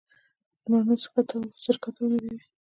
د مڼو سرکه تولیدوو؟